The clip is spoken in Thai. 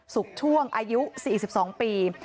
ช่วงอายุ๔๒ปี